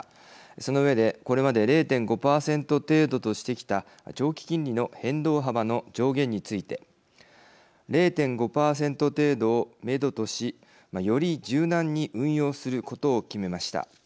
その上でこれまで０．５％程度としてきた長期金利の変動幅の上限について０．５％程度をめどとしより柔軟に運用することを決めました。